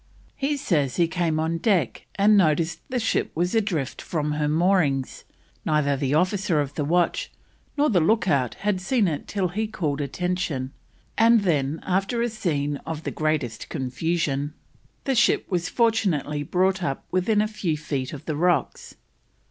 He says he came on deck and noticed the ship was adrift from her moorings; neither the officer of the watch nor the look out had seen it till he called attention, and then, after a scene of the greatest confusion, the ship was fortunately brought up within a few feet of the rocks.